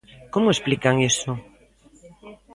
¿Como explican iso?